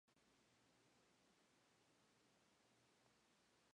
En Piacenza trabajó el escultor Niccolò.